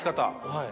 はい。